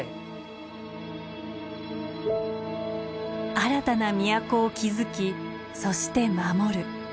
新たな都を築きそして守る。